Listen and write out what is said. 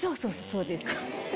そうです。